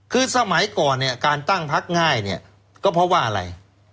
คือสมัยก่อนเนี่ยการตั้งพักง่ายเนี่ยก็เพราะว่าอะไร